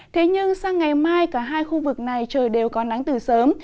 thế nhưng sang ngày mai cả hai khu vực này trời đều có nắng từ sớm